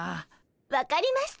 分かりました。